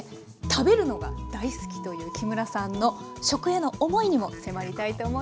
食べるのが大好きという木村さんの食への思いにも迫りたいと思います。